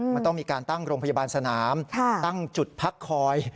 มันต้องมีการตั้งโรงพยาบาลสนามตั้งจุดพักคอย